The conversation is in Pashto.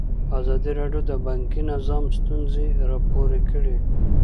ازادي راډیو د بانکي نظام ستونزې راپور کړي.